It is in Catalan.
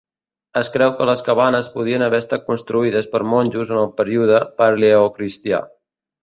Es creu que les cabanes podien haver estat construïdes per monjos en el període paleocristià.